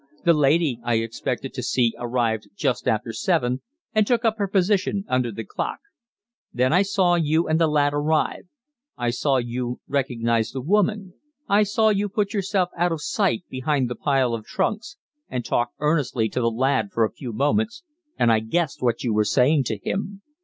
The lady I expected to see arrived just after seven, and took up her position under the clock. Then I saw you and the lad arrive; I saw you recognize the woman; I saw you put yourself out of sight behind the pile of trunks, and talk earnestly to the lad for a few moments, and I guessed what you were saying to him.